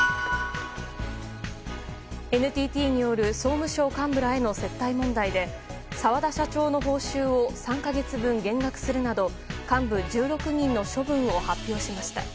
ＮＴＴによる総務省幹部らへの接待問題で澤田社長の報酬を３か月分減額するなど幹部１６人の処分を発表しました。